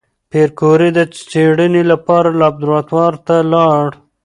پېیر کوري د څېړنې لپاره لابراتوار ته لاړ.